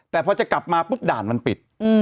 แต่พอจะกลับมาปุ๊บด่านมันปิด